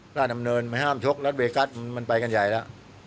สระสำเนินไม่ห้ามชกรอตเวกัสมันไปกันใหญ่ล่ะ